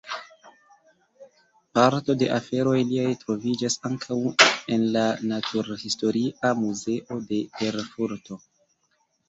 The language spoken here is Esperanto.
Parto de aferoj liaj troviĝas ankaŭ en la Naturhistoria Muzeo de Erfurto.